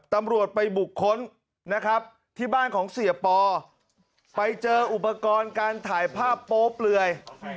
ตำรวจไปบุคคลนะครับที่บ้านของเสียปอไปเจออุปกรณ์การถ่ายภาพโป๊เปลือย